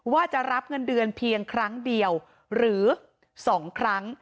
ว่าจะรับเงินเดือนเพียงครั้งเดียวหรือ๒ครั้ง